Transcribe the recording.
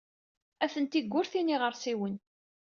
Atenti deg wurti n yiɣersiwen.